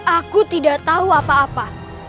aku tidak tahu apa apa